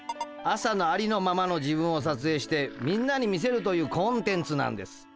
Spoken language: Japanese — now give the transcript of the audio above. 朝のありのままの自分をさつえいしてんなに見せるというコンテンツなんです。